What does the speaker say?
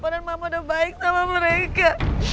badan mama udah baik sama mereka